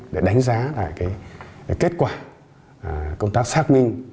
để đánh giá kết quả công tác xác minh